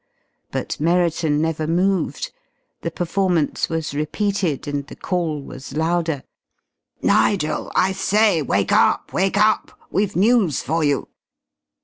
But Merriton never moved. The performance was repeated and the call was louder. "Nigel! I say, wake up wake up! We've news for you!"